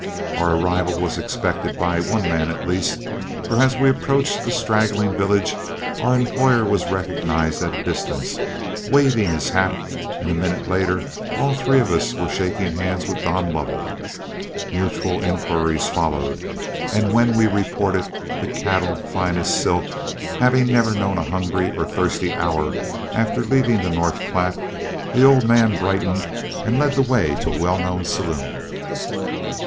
Our arrival was expected by one man at least; for as we approached the straggling village, our employer was recognized at a distance, waving his hat, and a minute later all three of us were shaking hands with Don Lovell. Mutual inquiries followed, and when we reported the cattle fine as silk, having never known a hungry or thirsty hour after leaving the North Platte, the old man brightened and led the way to a well known saloon.